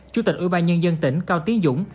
chủ tịch ủy ban nhân dân tỉnh cao tiến dũng